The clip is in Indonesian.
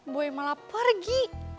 boy malah pergi